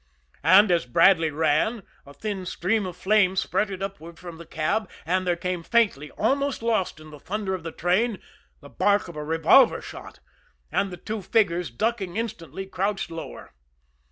And as Bradley ran, a thin stream of flame spurted upward from the cab, and there came faintly, almost lost in the thunder of the train, the bark of a revolver shot and the two figures, ducking instantly, crouched lower.